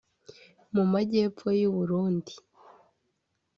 mu majyepfo y’u Burundi